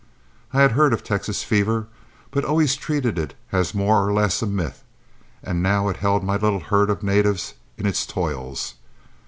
I had heard of Texas fever, but always treated it as more or less a myth, and now it held my little herd of natives in its toils.